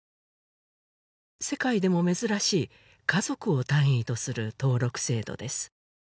世界でも珍しい家族を単位とする登録制度です